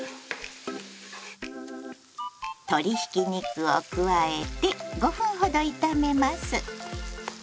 鶏ひき肉を加えて５分ほど炒めます。